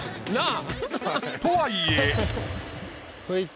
とはいえ。